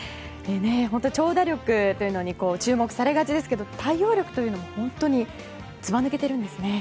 本当に長打力というのに注目されがちですが対応力も本当にずば抜けているんですね。